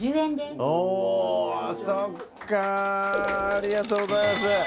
ありがとうございます。